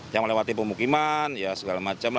yang melewati permukiman segala macam